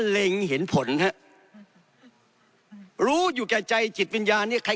ท่านเล็งเห็นผลฮะรู้อยู่แก่ใจจิตวิญญาณนี่